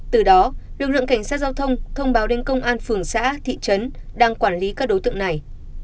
từ đó lực lượng cảnh sát giao thông thông báo đến công an phường xã thị trấn đang quản lý các đối tượng này